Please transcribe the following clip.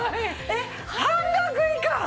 えっ半額以下！？